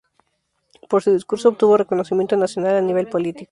Por su discurso obtuvo reconocimiento nacional a nivel político.